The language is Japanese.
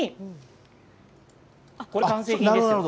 これ完成品ですよ。